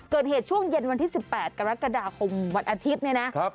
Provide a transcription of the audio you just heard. เกิดเหตุช่วงเย็นวันที่๑๘กรกฎาคมวันอาทิตย์เนี่ยนะ